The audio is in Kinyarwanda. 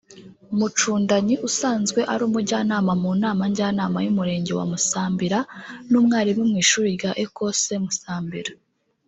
Mucundanyi usanzwe ari Umujyanama mu Nama Njyanama y’Umurenge wa Musambira n’Umwarimu mu Ishuri rya Ecose Musambira